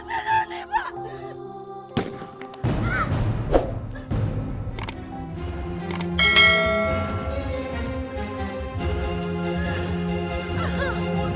pak cepat tahan